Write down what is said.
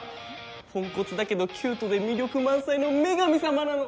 ポンコツだけどキュートで魅力満載の女神様なの。